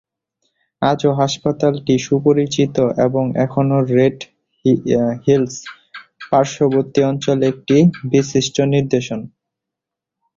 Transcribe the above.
আজও, হাসপাতালটি সুপরিচিত এবং এখনও রেড হিলস পার্শ্ববর্তী অঞ্চলের একটি বিশিষ্ট নিদর্শন।